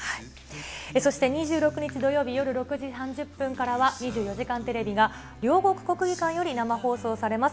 そして２６日土曜日夜６時３０分からは、２４時間テレビが両国国技館より生放送されます。